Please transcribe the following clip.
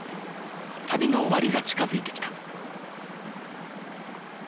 旅の終わりが近づいてきた。